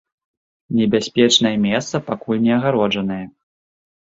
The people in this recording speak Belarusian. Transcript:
Небяспечнае месца пакуль не агароджанае.